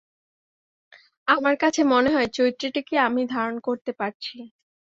আমার কাছে মনে হয়, চরিত্রটিকে আমি ধারণ করতে পারছি।